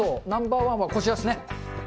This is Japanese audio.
ナンバーワンはこちらですね。